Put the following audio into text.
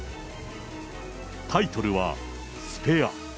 タイトルは、スペア。